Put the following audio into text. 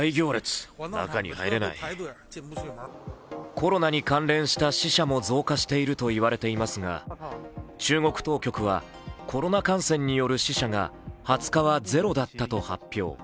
コロナに関連した死者も増加していると言われていますが、中国当局はコロナ感染による死者は２０日はゼロだったと発表。